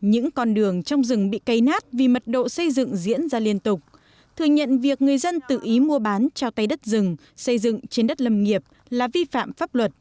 những con đường trong rừng bị cây nát vì mật độ xây dựng diễn ra liên tục thừa nhận việc người dân tự ý mua bán trao tay đất rừng xây dựng trên đất lâm nghiệp là vi phạm pháp luật